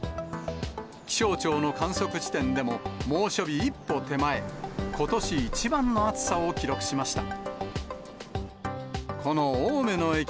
気象庁の観測地点でも、猛暑日一歩手前、ことし一番の暑さを記録しました。